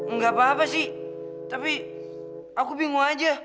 nggak apa apa sih tapi aku bingung aja